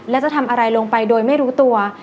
และจะทำอะไรลงไปโดยไม่รู้ตัว